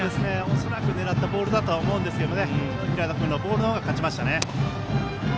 恐らく狙ったボールだったと思いますが平野君のボールの方が勝ちましたね。